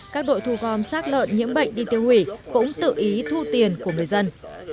các đội thu gom xác lợn nhiễm bệnh đi tiêu hủy cũng tự ý thu tiền của người dân